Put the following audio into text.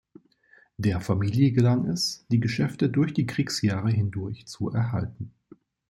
Der Familie gelang es, die Geschäfte durch die Kriegsjahre hindurch zu erhalten.